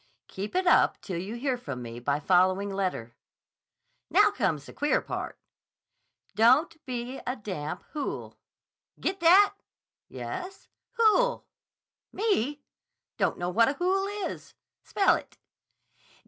'Keep it up till you hear from me by following letter.' Now comes the queer part. 'Don't be a damp hool.' Get that?... Yes; hool... Me? don't know what a hool is. Spell it?